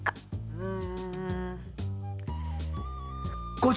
うん。